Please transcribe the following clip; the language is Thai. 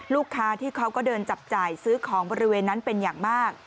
ลูกค้าที่เขาก็เดินจับจ่ายซื้อของบริเวณนั้นเป็นอย่างมาก